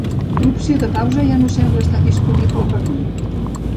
L'opció de pausa ja no sembla estar disponible per a mi.